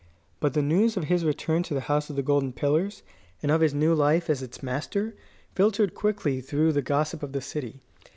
But the news of his return to the House of the Golden Pillars, and of his new life as its master, filtered quickly through the gossip of the city.